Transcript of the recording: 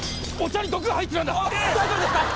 大丈夫ですか！？